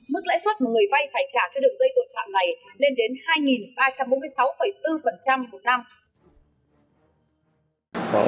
mức lãi suất mà người vay phải trả cho đường dây tội phạm này lên đến hai ba trăm bốn mươi sáu bốn một năm